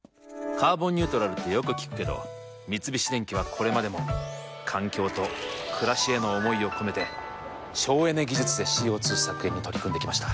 「カーボンニュートラル」ってよく聞くけど三菱電機はこれまでも環境と暮らしへの思いを込めて省エネ技術でＣＯ２削減に取り組んできました。